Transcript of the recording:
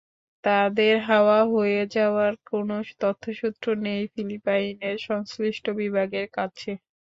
তাঁদের হাওয়া হয়ে যাওয়ার কোনো তথ্যসূত্র নেই ফিলিপাইনের সংশ্লিষ্ট বিভাগের কাছে।